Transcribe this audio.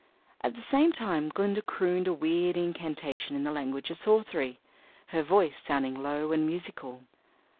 At the same time Glinda crooned a weird incantation in the language of sorcery, her voice sounding low and musical.